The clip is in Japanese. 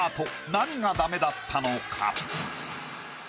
何がダメだったのか？